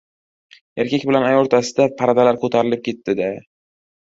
Erkak bilan ayol oʻrtasidagi pardalar koʻtarilib ketdi-da...